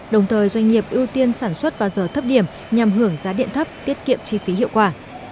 đồng thời doanh nghiệp ưu tiên sản xuất vào giờ thấp điểm nhằm hưởng giá điện thấp tiết kiệm chi phí hiệu quả